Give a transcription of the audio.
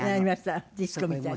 ディスコみたいなの。